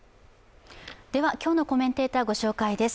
今日のコメンテーター、ご紹介です。